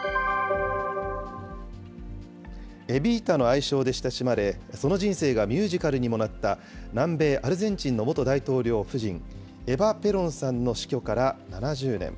エビータの愛称で親しまれ、その人生がミュージカルにもなった、南米アルゼンチンの元大統領夫人、エバ・ペロンさんの死去から７０年。